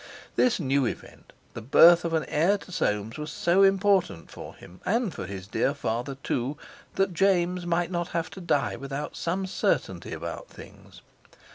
This new event—the birth of an heir to Soames—was so important for him, and for his dear father, too, that James might not have to die without some certainty about things.